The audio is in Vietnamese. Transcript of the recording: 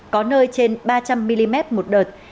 có nơi trên ba trăm linh mm một đợt